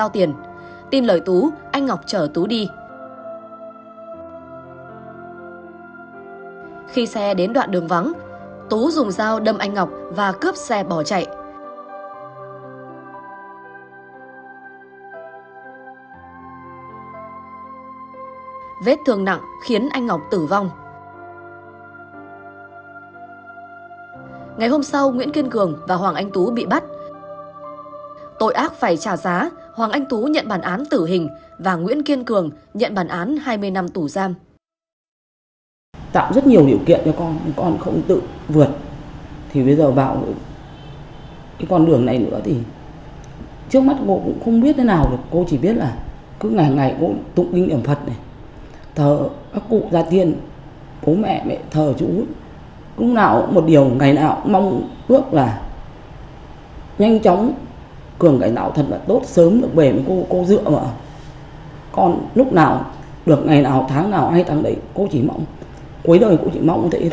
tội ác phải trả giá hoàng anh tú nhận bản án tử hình và nguyễn kiên cường nhận bản án hai mươi năm tù giam